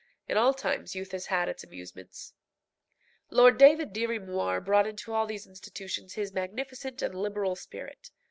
In all times youth has had its amusements. Lord David Dirry Moir brought into all these institutions his magnificent and liberal spirit.